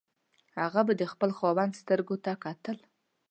هغه به د خپل خاوند سترګو ته کتل.